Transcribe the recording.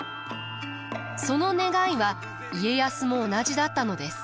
その願いは家康も同じだったのです。